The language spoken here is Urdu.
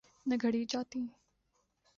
نہ گھڑی جاتیں۔